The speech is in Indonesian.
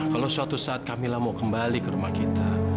kalau suatu saat kamila mau kembali ke rumah kita